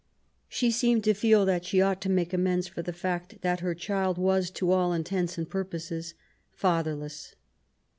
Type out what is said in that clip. She seemed to feel that she ought to make amends for the fact that her child was, to all intents and purposes^ fatherless.